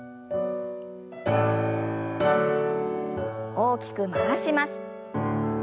大きく回します。